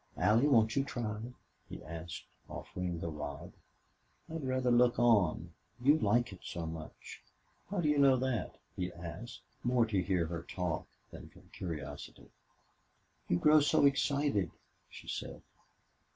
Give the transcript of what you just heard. "Allie, won't you try?" he asked, offering the rod. "I'd rather look on. You like it so much." "How do you know that?" he asked, more to hear her talk than from curiosity. "You grow so excited," she said.